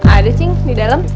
ada cing di dalam